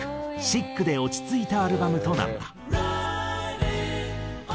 シックで落ち着いたアルバムとなった。